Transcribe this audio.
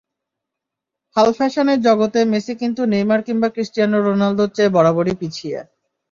হাল ফ্যাশনের জগতে মেসি কিন্তু নেইমার কিংবা ক্রিস্টিয়ানো রোনালদোর চেয়ে বরাবরই পিছিয়ে।